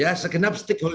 ya segenap stik